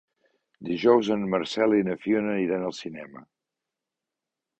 Dijous en Marcel i na Fiona iran al cinema.